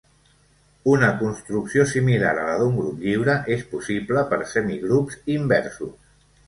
Una construcció similar a la d'un grup lliure és possible per semigrups inversos.